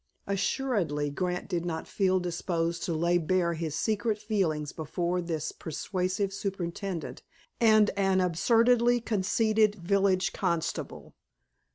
Assuredly, Grant did not feel disposed to lay bare his secret feelings before this persuasive superintendent and an absurdly conceited village constable.